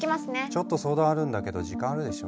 ちょっと相談あるんだけど時間あるでしょ？